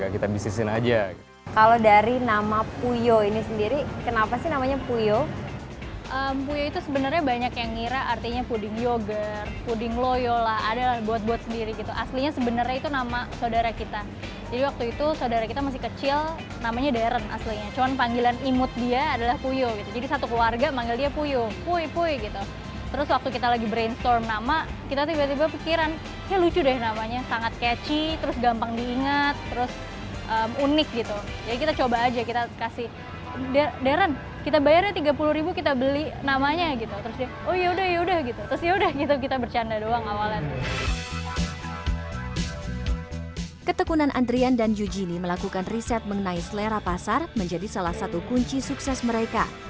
ketekunan andrian dan yujini melakukan riset mengenai selera pasar menjadi salah satu kunci sukses mereka